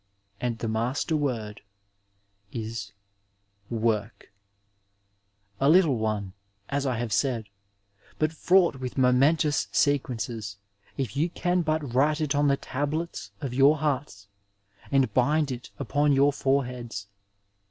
And the master word is Worky a little one, as I have said, but fraught with momentous sequences if you can but write it on the tablets of your hearts, and bind it upon your fore heads.